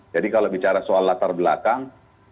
jadi kalau bicara soal latar belakang